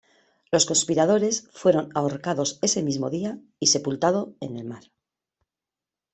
Los conspiradores fueron ahorcados ese mismo día y sepultado en el mar.